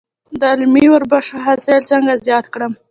د للمي وربشو حاصل څنګه زیات کړم؟